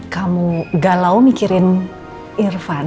kamu galau mikirin irfan